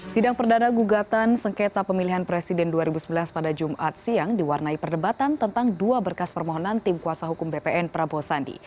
sidang perdana gugatan sengketa pemilihan presiden dua ribu sembilan belas pada jumat siang diwarnai perdebatan tentang dua berkas permohonan tim kuasa hukum bpn prabowo sandi